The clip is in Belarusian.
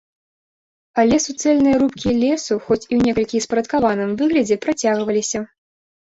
Але суцэльныя рубкі лесу, хоць і ў некалькі спарадкаваным выглядзе, працягваліся.